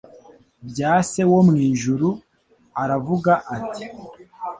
bya Se wo mu ijuru. Aravuga ati, ”